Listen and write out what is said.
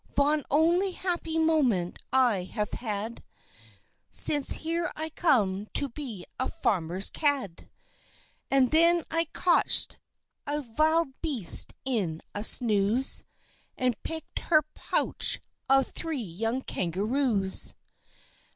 "Von only happy moment I have had Since here I come to be a Farmer's Cad, And then I cotch'd a vild Beast in a Snooze, And pick'd her pouch of three young Kangaroos!